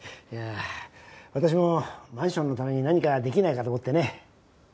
いやあ私もマンションのために何かできないかと思ってね。